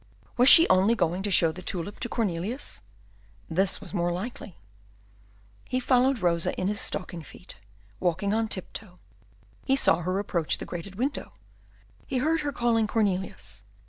Was she only going to show the tulip to Cornelius? This was more likely. He followed Rosa in his stocking feet, walking on tiptoe. He saw her approach the grated window. He heard her calling Cornelius.